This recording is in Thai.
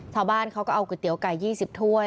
ชาวบ้านเขาก็เอาก๋วยเตี๋ยไก่๒๐ถ้วย